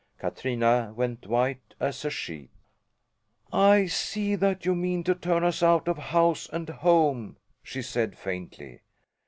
Katrina went white as a sheet. "I see that you mean to turn us out of house and home," she said, faintly.